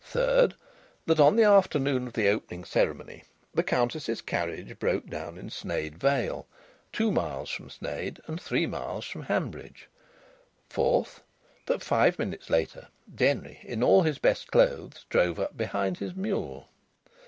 Third, that on the afternoon of the opening ceremony the Countess's carriage broke down in Sneyd Vale, two miles from Sneyd and three miles from Hanbridge. Fourth, that five minutes later Denry, all in his best clothes, drove up behind his mule.